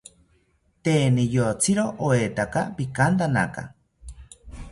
Tee niyotziro oetaka pikantanaka